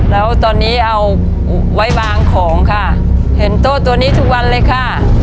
แล้วตอนนี้เอาไว้วางของค่ะเห็นโต๊ะตัวนี้ทุกวันเลยค่ะ